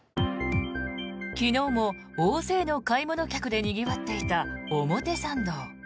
昨日も大勢の買い物客でにぎわっていた表参道。